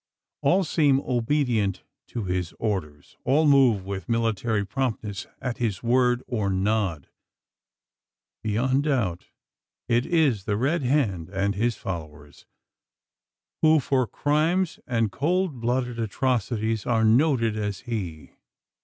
All seem obedient to his orders; all move with military promptness at his word or nod. Beyond doubt, it is the Red Hand and his followers, who for crimes and cold blooded atrocities are noted as he.